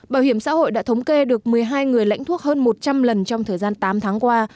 bảo hiểm xã hội đã thống kê được một mươi hai người lãnh thuốc hơn một trăm linh lần trong thời gian tám tháng qua